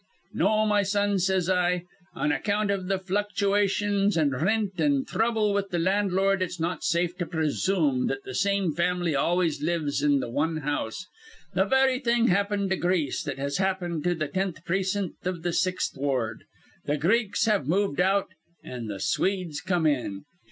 "'No, my son,' says I. 'On account iv th' fluctuations in rint an' throuble with th' landlord it's not safe to presoom that th' same fam'ly always lives in th' wan house. Th' very thing happened to Greece that has happened to th' tenth precint iv th' Sixth Ward. Th' Greeks have moved out, an' th' Swedes come in.